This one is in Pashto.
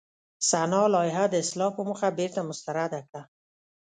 سنا لایحه د اصلاح په موخه بېرته مسترده کړه.